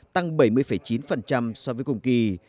tăng bảy mươi chín so với cùng kỳ